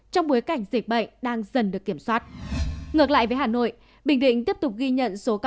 trong bối cảnh dịch bệnh